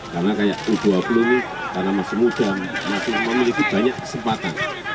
karena u dua puluh ini masih muda masih memiliki banyak kesempatan